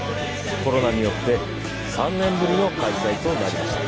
コロナによって、３年ぶりの開催となりました。